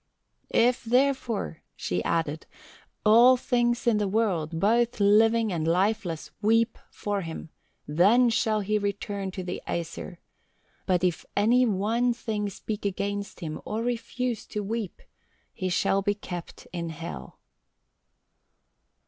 "'If therefore,' she added, 'all things in the world, both living and lifeless, weep for him, then shall he return to the Æsir, but if any one thing speak against him or refuse to weep, he shall be kept in Hel.'